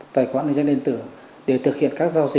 tài khoản định danh điện tử để thực hiện